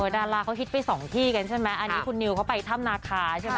ดาราเขาฮิตไปสองที่กันใช่ไหมอันนี้คุณนิวเขาไปถ้ำนาคาใช่ไหม